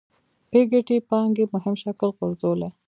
پيکيټي پانګې مهم شکل غورځولی.